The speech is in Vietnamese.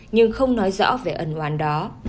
nhưng không nói rõ về ẩn hoàn đó